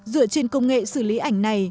dựa trên công nghệ xử lý ảnh này